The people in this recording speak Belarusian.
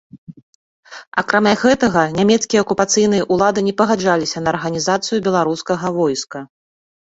Акрамя гэтага, нямецкія акупацыйныя ўлады не пагаджаліся на арганізацыю беларускага войска.